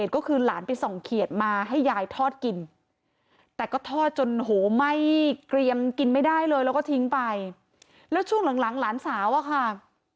เขียดมาให้ยายทอดกินแต่ก็ทอดจนเกลียมไม่ได้แล้วก็ทิ้งไปแล้วช่วงหลังหลานสาวอ่ะคะ